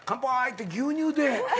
って牛乳で。